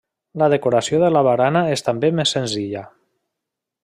La decoració de la barana és també més senzilla.